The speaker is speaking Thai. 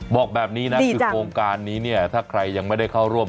บอกแบบนี้นะคือโครงการนี้เนี่ยถ้าใครยังไม่ได้เข้าร่วม